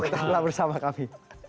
kita berlalu bersama kami